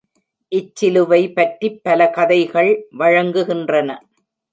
இச்சிலுவை பற்றிப் பல கதைகள் வழங்குகின்றன.